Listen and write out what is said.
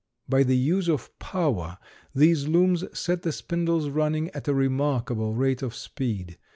By the use of power these looms set the spindles running at a remarkable rate of speed.